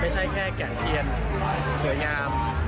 ไม่ใช่แค่แก่งเทียนสวยงาม